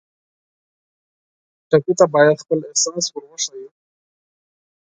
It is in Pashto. ټپي ته باید خپل احساس ور وښیو.